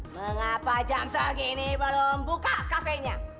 mengapa jam segini belum buka kafenya